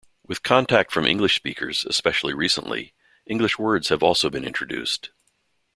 With contact from English speakers, especially recently, English words have also been introduced.